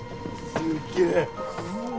すっげえ